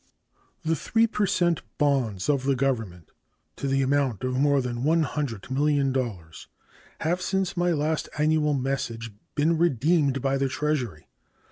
The 3 per cent bonds of the Government to the amount of more than $100,000,000 have since my last annual message been redeemed by the Treasury.